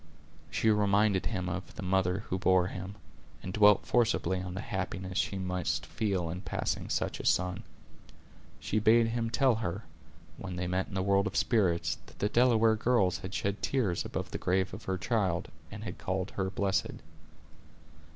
She reminded him of the mother who bore him, and dwelt forcibly on the happiness she must feel in possessing such a son. She bade him tell her, when they met in the world of spirits, that the Delaware girls had shed tears above the grave of her child, and had called her blessed.